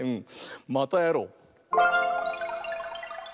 またやろう！